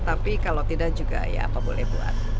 tapi kalau tidak juga ya apa boleh buat